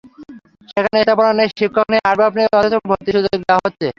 সেখানে স্থাপনা নেই, শিক্ষক নেই, আসবাব নেই, অথচ ভর্তির সুযোগ দেওয়া হচ্ছে।